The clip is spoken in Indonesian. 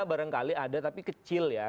barangkali ada tapi kecil ya